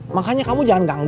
makanya kamu jangan ganggu